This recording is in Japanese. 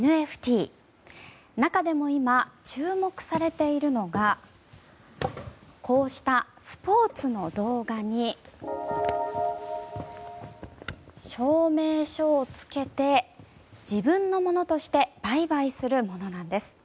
中でも今、注目されているのがこうしたスポーツの動画に証明書をつけて自分のものとして売買するものなんです。